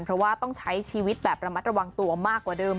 เพราะว่าต้องใช้ชีวิตแบบระมัดระวังตัวมากกว่าเดิม